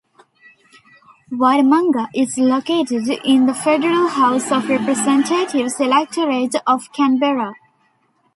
Waramanga is located in the federal House of Representatives electorate of Canberra.